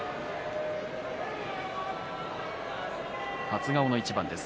初顔の一番です。